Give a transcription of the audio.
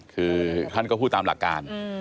คือท่านก็พูดตามหลักการ